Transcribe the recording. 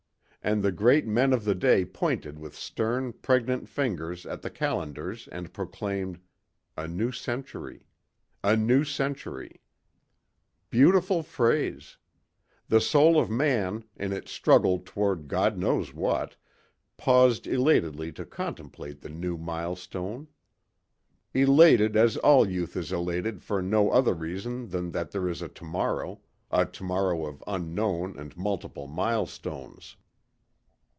And the great men of the day pointed with stern, pregnant fingers at the calendars and proclaimed a new century ... a new century. Beautiful phrase. The soul of man, in its struggle toward God knows what, paused elatedly to contemplate the new milestone. Elated as all youth is elated for no other reason than that there is a tomorrow, a tomorrow of unknown and multiple milestones.